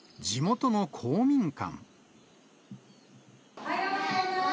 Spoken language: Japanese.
おはようございます。